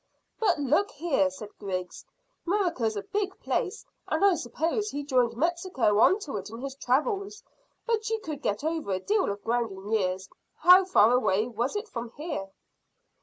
"But look here," said Griggs, "Murrica's a big place, and I s'pose he joined Mexico on to it in his travels; but you could get over a deal of ground in years. How far away was it from here?"